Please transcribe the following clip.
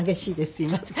すいません。